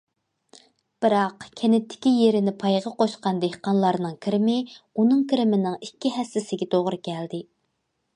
بىراق كەنتتىكى يېرىنى پايغا قوشقان دېھقانلارنىڭ كىرىمى ئۇنىڭ كىرىمىنىڭ ئىككى ھەسسىسىگە توغرا كەلدى.